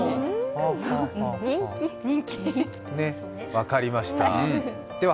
分かりました。